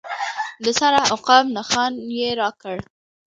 د سره عقاب نښان یې راکړ.